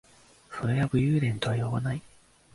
それは武勇伝とは呼ばない